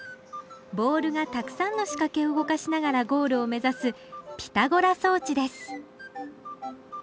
ボールがたくさんの仕掛けを動かしながらゴールを目指すピタゴラ装置です